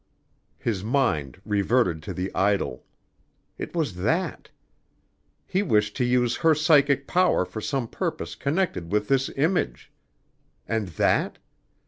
His mind reverted to the idol. It was that. He wished to use her psychic power for some purpose connected with this image. And that?